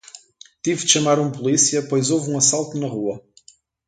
Tive de chamar um polícia pois houve um assalto na rua.